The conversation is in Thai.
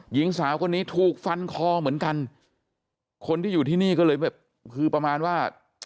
หญิงสาวคนนี้ถูกฟันคอเหมือนกันคนที่อยู่ที่นี่ก็เลยแบบคือประมาณว่า